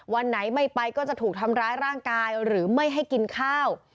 วันไหนไม่ไปก็จะถูกทำร้ายร่างกายหรือไม่ให้กินข้าว